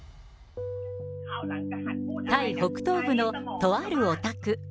タイ北東部のとあるお宅。